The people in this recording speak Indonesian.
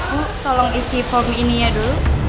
bu tolong isi form ini ya dulu